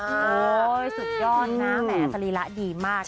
สุดยอดนะแต่อสลีระดีมาก